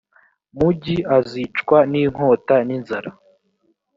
mugi azicwa n’inkota n’inzara